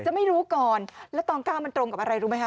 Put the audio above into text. ไม่รู้ก่อนแล้วตอน๙มันตรงกับอะไรรู้ไหมคะ